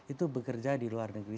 itu bekerja di luar negeri